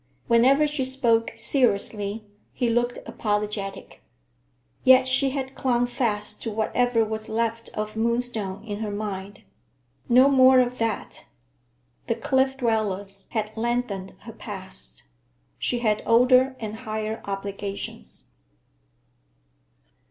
Whenever she spoke seriously, he looked apologetic. Yet she had clung fast to whatever was left of Moonstone in her mind. No more of that! The Cliff Dwellers had lengthened her past. She had older and higher obligations.